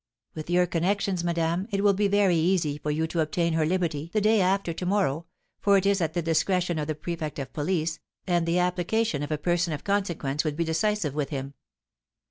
"With your connections, madame, it will be very easy for you to obtain her liberty the day after to morrow, for it is at the discretion of the Prefect of Police, and the application of a person of consequence would be decisive with him.